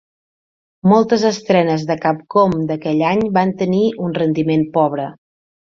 Moltes estrenes de Capcom d'aquell any van tenir un rendiment pobre.